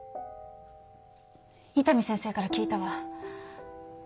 伊丹先生から聞いたわ。